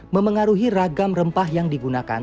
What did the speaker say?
memengaruhi ragam rempah yang digunakan